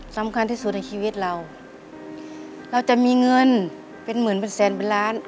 สำคัญที่สุดในชีวิตเราเราจะมีเงินเป็นหมื่นเป็นแสนเป็นล้าน